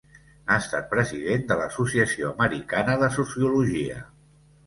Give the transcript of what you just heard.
Ha estat president de l'Associació Americana de Sociologia.